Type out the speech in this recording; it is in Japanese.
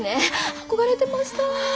憧れてました。